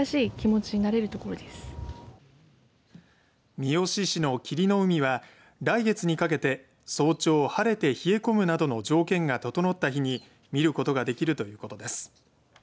三次市の霧の海は来月にかけて早朝晴れて冷え込むなどの条件が整った日に見ることができるということです。